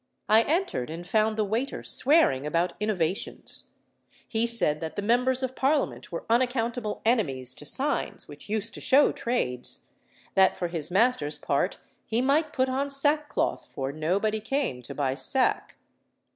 I entered and found the waiter swearing about innovations. He said that the members of Parliament were unaccountable enemies to signs which used to show trades; that, for his master's part, he might put on sackcloth, for nobody came to buy sack.